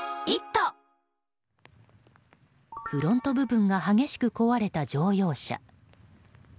フロント部分が激しく壊れた乗用車。